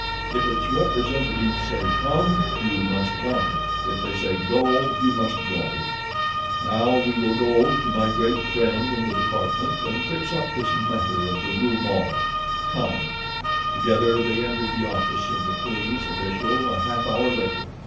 If its representatives say 'Come,' you must come; if they say 'Go,' you must go. Now we shall go to my great friend in the department and fix up this matter of the Rue Maule. Come!" Together they entered the office of the police official a half hour later.